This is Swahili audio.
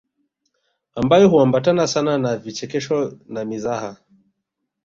Ambayo huambatana sana na vichekesho na mizaha